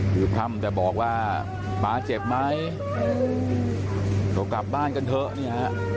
คือพร่ำแต่บอกว่าป๊าเจ็บไหมก็กลับบ้านกันเถอะเนี่ยฮะ